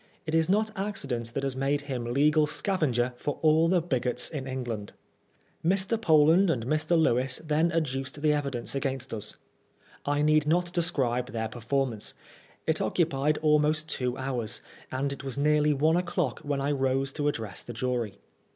It is not accident that has made him legal scavenger for all the bigots in England. Mr. Poland and Mr. Lewis then adduced the evidence against us. I need not describe their performance. It occupied almost two hours, and it was nearly one o'clock when I rose to address the jury.